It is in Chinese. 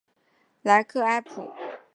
莱斯普埃。